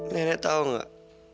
nenek tau gak